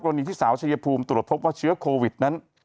รณีที่สาวชายภูมิตรวจพบว่าเชื้อโควิดนั้น